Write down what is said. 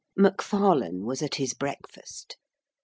MacFarlane was at his breakfast.